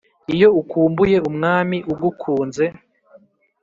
iyo ukumbuye umwami ugukunze